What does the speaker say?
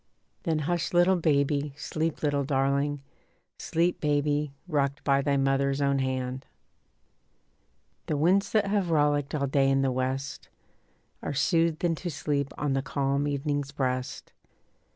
Then hush little baby, sleep little darling, Sleep baby, rocked by thy mother's own hand. The winds that have rollicked all day in the west Are soothed into sleep on the calm evening's breast.